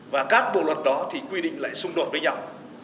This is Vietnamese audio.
và các bộ luật đó thì quy định lại xung đột với nhau